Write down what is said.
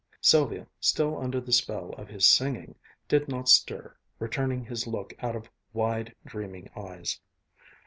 Sylvia, still under the spell of his singing, did not stir, returning his look out of wide, dreaming eyes.